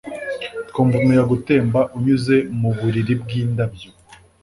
Twumva umuyaga utemba unyuze muburiri bwindabyo